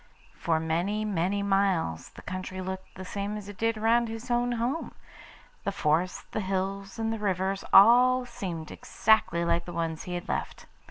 For many, many miles the country looked the same as it did round his own home. The forests, the hills, and the rivers all seemed exactly like the ones he had left.